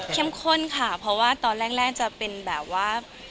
เข้มข้นค่ะเพราะว่าตอนแรกจะเป็นแบบว่า